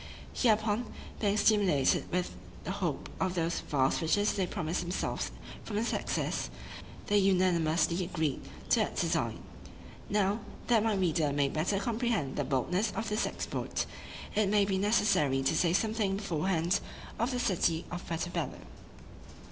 Hereupon, being stimulated with the hope of those vast riches they promised themselves from their success, they unanimously agreed to that design. Now, that my reader may better comprehend the boldness of this exploit, it may be necessary to say something beforehand of the city of Puerto Bello.